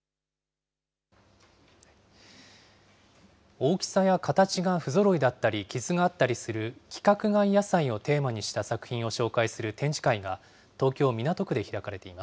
大きさや形が不ぞろいだったり、傷があったりする規格外野菜をテーマにした作品を紹介する展示会